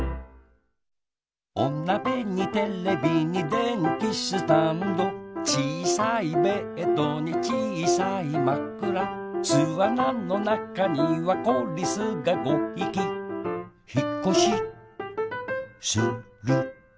おなべにテレビにでんきスタンドちいさいベッドにちいさいまくらすあなのなかにはこリスが５ひきひっこしする